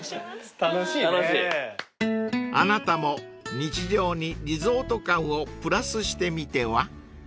［あなたも日常にリゾート感をプラスしてみては？］